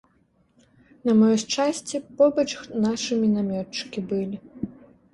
На маё шчасце, побач нашы мінамётчыкі былі.